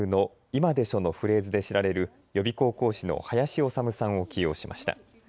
今でしょ！のフレーズで知られる予備校講師の林修さんを起用しました。